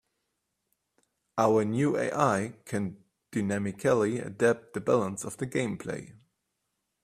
Our new AI can dynamically adapt the balance of the gameplay.